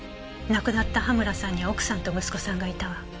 亡くなった羽村さんには奥さんと息子さんがいたわ。